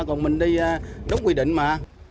còn mình đi đúng quy định mà